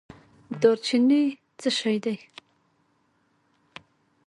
دارچینی څه شی دی؟